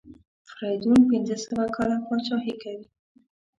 فریدون پنځه سوه کاله پاچهي کوي.